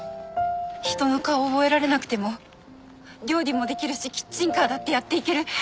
人の顔を覚えられなくても料理も出来るしキッチンカーだってやっていける。